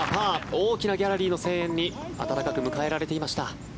多くのギャラリーの声援に温かく迎えられていました。